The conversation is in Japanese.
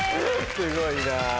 すごいなぁ。